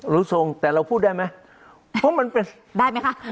รู้ทรงแต่เราพูดได้ไหมเพราะมันเป็นได้ไหมคะ